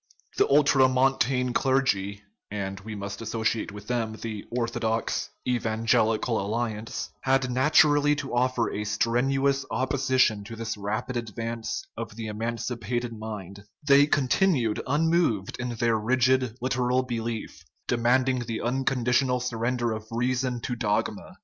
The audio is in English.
The ultramontane clergy (and we must associate with them the orthodox " evan gelical alliance ") had naturally to offer a strenuous opposition to this rapid advance of the emancipated mind; they continued unmoved in their rigid literal ^belief, demanding the unconditional surrender of rea son to dogma.